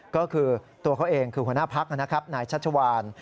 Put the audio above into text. ก็คือตัวเขาเองคือหัวหน้าพักนะครับนายชัชวาน